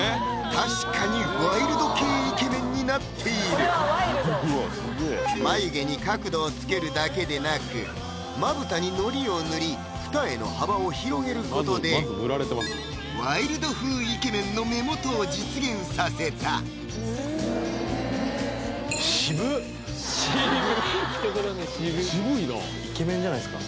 確かにワイルド系イケメンになっているこれはワイルド眉毛に角度をつけるだけでなくまぶたにノリを塗り二重の幅を広げることでワイルド風イケメンの目元を実現させた「シブっ」ひと言目「シブっ」